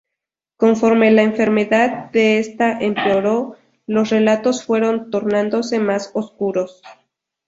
Conforme la enfermedad de esta empeoró, los relatos fueron tornándose más oscuros.